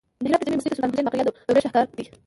د هرات د جمعې مسجد د سلطان حسین بایقرا دورې شاهکار دی